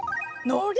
のり？